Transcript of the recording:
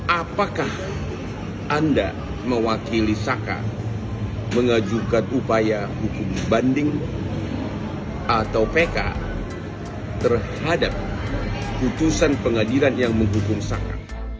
apakah anda mewakili saka mengajukan upaya hukum banding atau pk terhadap putusan pengadilan yang menghukum saka